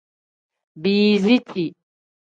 Biiziti.